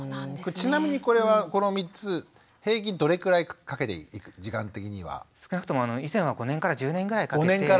ちなみにこれはこの３つ平均どれくらいかけていく時間的には？少なくとも以前は５年から１０年ぐらいかけて。